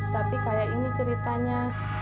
tapi kayak ini ceritanya